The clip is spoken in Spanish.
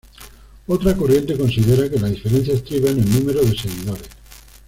Otra corriente considera que la diferencia estriba en el número de seguidores.